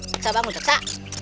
teta bangun teta